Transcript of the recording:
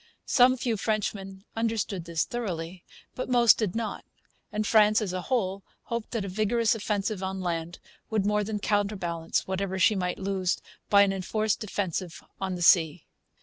Some few Frenchmen understood this thoroughly. But most did not. And France, as a whole, hoped that a vigorous offensive on land would more than counterbalance whatever she might lose by an enforced defensive on the sea.